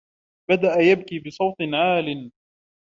بدأ يبكي بصوت عال